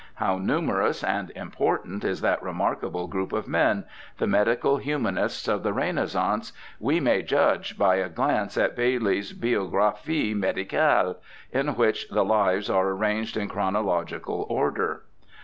How numerous and important is that remarkable group of men, the medical humanists of the Renaissance, we may judge by a glance at Ba3de's Biograpkie Medicate, in which the liv^es are arranged in chronological order.